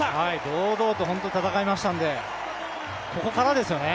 堂々と戦いましたんで、ここからですよね。